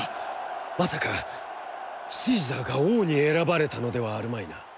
まさか、シーザーが王に選ばれたのではあるまいな？」。